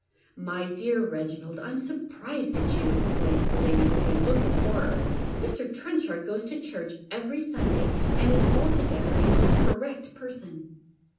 " My dear Keginald, I'm surprised at you," exclaims the lady, with a look of horror. " Mr. Trenchard goes to church every Sunday, and is altogether a most correct person.